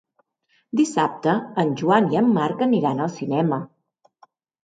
Dissabte en Joan i en Marc aniran al cinema.